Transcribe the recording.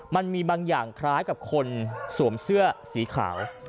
มันมีบางอย่างคล้ายกับคนสวมเสื้อสีขาว